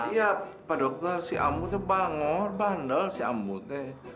iya pak dokter si ambu tuh bangor bandel si ambu teh